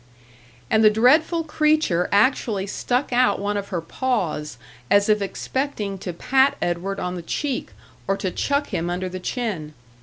And the dreadful creature actually stuck out one of her paws, as if expecting to pat Edward on the cheek, or to chuck him under the chin.